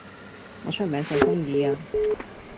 我出名順風耳呀